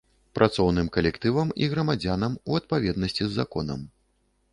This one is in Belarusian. Працоўным калектывам і грамадзянам у адпаведнасці з законам.